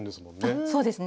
そうですね